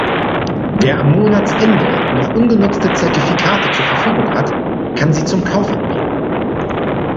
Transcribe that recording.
Wer am Monatsende noch ungenutzte Zertifikate zur Verfügung hat, kann sie zum Kauf anbieten.